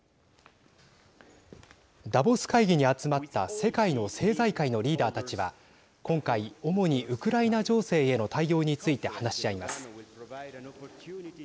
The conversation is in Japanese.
ダボス会議に集まった世界の政財界のリーダーたちは今回、主にウクライナ情勢への対応について話し合います。